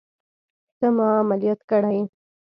ته ما عمليات کړى يې.